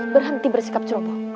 berhenti bersikap ceroboh